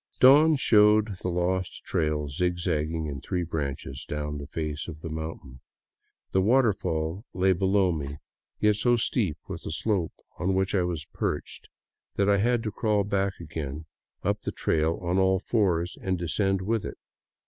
Dawn showed the lo^t trail zigzagging in three branches down the face of the mountain. The waterfall lay directly below me, yet so 183 VAGABONDING DOWN THE ANDES steep was the slope on which I was perched that I had to crawl back again up the trail on all fours and descend with it.